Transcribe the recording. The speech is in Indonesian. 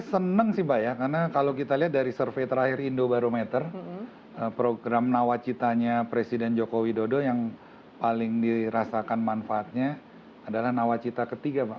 senang sih pak ya karena kalau kita lihat dari survei terakhir indobarometer program nawacitanya presiden joko widodo yang paling dirasakan manfaatnya adalah nawacita ketiga pak